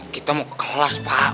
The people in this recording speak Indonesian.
kita mau ke kelas pak